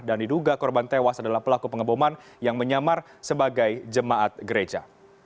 dan diduga korban tewas adalah pelaku pengeboman yang menyamar sebagai jemaat gereja